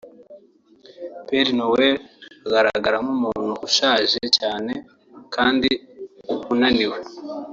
Père Noël agaragara nk’umuntu ushaje cyane kandi unaniwe